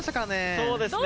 そうですね。